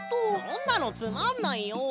そんなのつまんないよ！